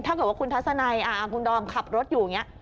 ถ้าเกิดว่าคุณทัศนัยคุณดอมขับรถอยู่อย่างนี้